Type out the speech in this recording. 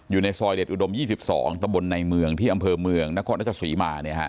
อยู่ในซอยเด็ดอุดม๒๒ตะบนในเมืองที่อำเภอเมืองนครราชศรีมา